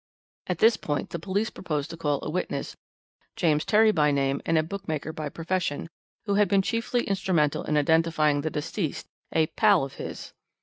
"At this point the police proposed to call a witness, James Terry by name and a bookmaker by profession, who had been chiefly instrumental in identifying the deceased, a 'pal' of his.